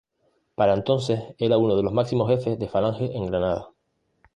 Para entonces era uno de los máximos jefes de Falange en Granada.